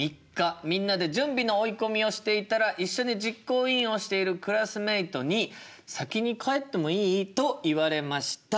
みんなで準備の追い込みをしていたら一緒に実行委員をしているクラスメートに「先に帰ってもいい？」と言われました。